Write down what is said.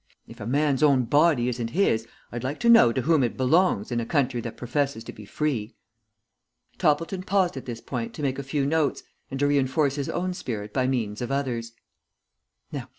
If a man's own body isn't his, I'd like to know to whom it belongs in a country that professes to be free!" Toppleton paused at this point to make a few notes and to reinforce his own spirit by means of others.